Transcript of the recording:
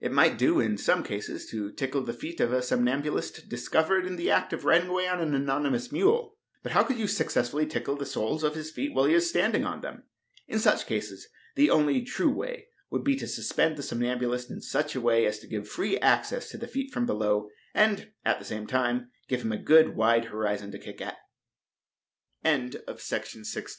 It might do in some cases to tickle the feet of a somnambulist discovered in the act of riding away on an anonymous mule, but how could you successfully tickle the soles of his feet while he is standing on them? In such cases, the only true way would be to suspend the somnambulist in such a way as to give free access to the feet from below, and, at the same time, give him a good, wide horizon to kick at. Modern Architectur